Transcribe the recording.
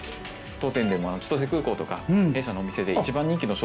当店でも千歳空港とか弊社のお店でそうでしょう。